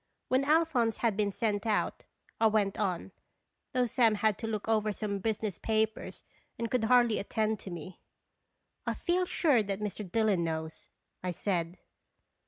When Alphonse had been sent out, I went on, though Sam had to look over some business papers, and could hardly attend to me. " I feel sure that Mr. Dillon knows," I said.